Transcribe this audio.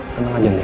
tenang saja gaji